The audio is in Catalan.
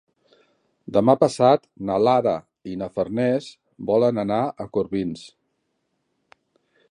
Demà passat na Lara i na Farners volen anar a Corbins.